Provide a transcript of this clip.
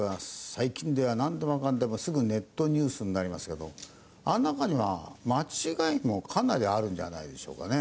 最近ではなんでもかんでもすぐネットニュースになりますけどあの中には間違いもかなりあるんじゃないでしょうかね。